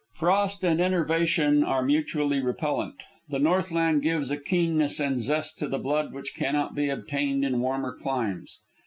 Frost and enervation are mutually repellant. The Northland gives a keenness and zest to the blood which cannot be obtained in warmer climes.